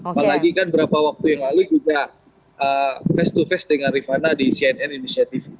apalagi kan beberapa waktu yang lalu juga face to face dengan rifana di cnn initiativity